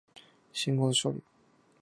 信号処理